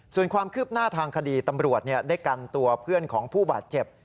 ส่วนความคืบหน้าทางคดีตำรวจได้กันตัวเพื่อนของผู้บาดเจ็บ